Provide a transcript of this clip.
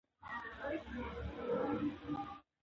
تر اسمان لاندي تر مځکي شهنشاه یم